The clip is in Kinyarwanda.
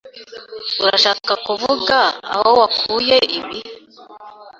Urashaka kuvuga aho wakuye ibi?